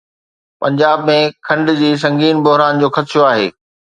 پنجاب ۾ کنڊ جي سنگين بحران جو خدشو آهي